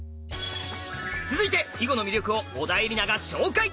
続いて囲碁の魅力を小田えりなが紹介！